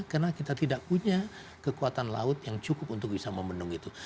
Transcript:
karena kita tidak punya kekuatan laut yang cukup untuk bisa membendung itu